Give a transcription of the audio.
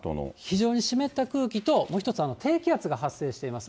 非常に湿った空気と、もう一つ、低気圧が発生しています。